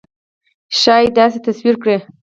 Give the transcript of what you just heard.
ښایي داسې تصویر کړي.